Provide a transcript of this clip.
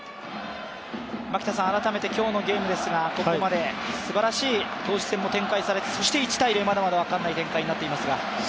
改めて今日のゲームですがここまですばらしい投手戦も展開されそして１−０、まだまだ分からない展開になっていますが？